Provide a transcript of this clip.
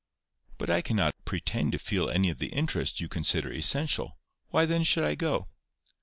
"But I cannot pretend to feel any of the interest you consider essential: why then should I go?"